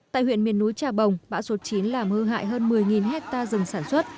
tại huyện miền núi trà bồng bã rột chín làm hư hại hơn một mươi hectare rừng sản xuất